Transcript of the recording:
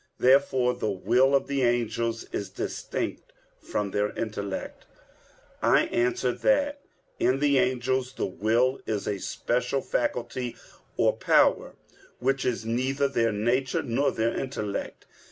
Therefore the will of the angels is distinct from their intellect. I answer that, In the angels the will is a special faculty or power, which is neither their nature nor their intellect.